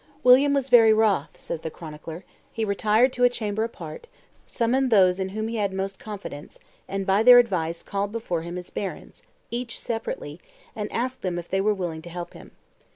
"William was very wroth," says the chronicler, "retired to a chamber apart, summoned those in whom he had most confidence, and by their advice called before him his barons, each separately, and asked them if they were willing to help him.